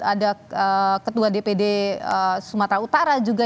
ada ketua dpd sumatera utara juga